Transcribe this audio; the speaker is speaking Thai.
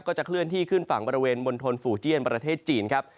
จะเคลื่อนที่ขึ้นฝั่งบริเวณมณฑลฝู่เจียนประเทศจีนครับ